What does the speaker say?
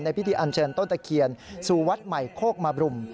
พิธีอันเชิญต้นตะเคียนสู่วัดใหม่โคกมาบรุม